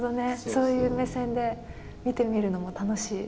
そういう目線で見てみるのも楽しい。